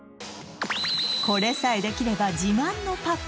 これさえできれば自慢のパパ